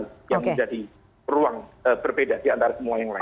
itu yang menjadi ruang berbeda di antara semua yang lain